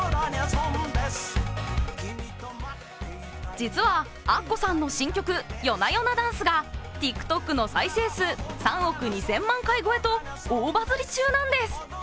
実はアッコさんの新曲、「ＹＯＮＡＹＯＮＡＤＡＮＣＥ」がＴｉｋＴｏｋの再生数３億２０００万回超えと大バズり中なんです。